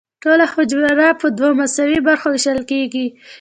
ټوله حجره په دوه مساوي برخو ویشل کیږي.